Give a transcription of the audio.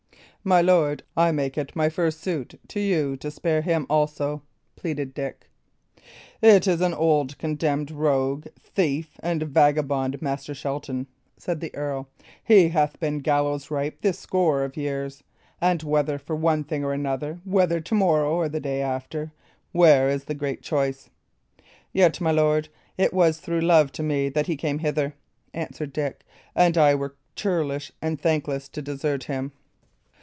"My lord, I make it my first suit to you to spare him also," pleaded Dick. "It is an old, condemned rogue, thief, and vagabond, Master Shelton," said the earl. "He hath been gallows ripe this score of years. And, whether for one thing or another, whether to morrow or the day after, where is the great choice?" "Yet, my lord, it was through love to me that he came hither," answered Dick, "and I were churlish and thankless to desert him."